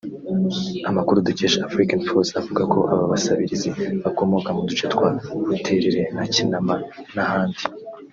Amakuru dukesha Afriquinfos avuga ko aba basabiriza bakomoka mu duce twa Buterere na Kinama n’ahandi